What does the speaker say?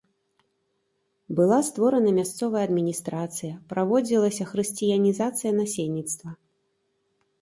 Была створана мясцовая адміністрацыя, праводзілася хрысціянізацыя насельніцтва.